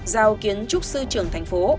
giao kiến trúc sư trưởng thành phố